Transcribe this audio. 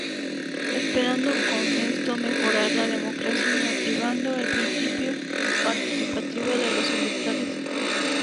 Esperando con esto mejorar la democracia y motivando el principio participativo de los electores.